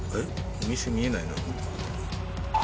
お店見えないな。